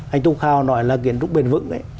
anh tung khao nói là kiến trúc bền vững